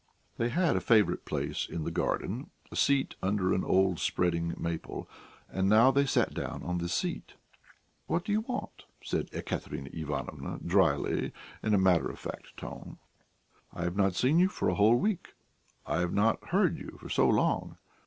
They had a favourite place in the garden; a seat under an old spreading maple. And now they sat down on this seat. "What do you want?" said Ekaterina Ivanovna drily, in a matter of fact tone. "I have not seen you for a whole week; I have not heard you for so long.